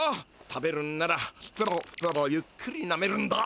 食べるんならペロペロゆっくりなめるんだ。